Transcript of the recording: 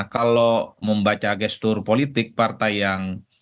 kalau membaca gestur politik partai yang